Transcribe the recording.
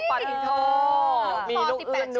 โอ้โหปัดที่ท่อ